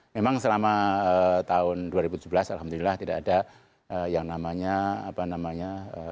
memang selama tahun dua ribu tujuh belas alhamdulillah tidak ada yang namanya apa namanya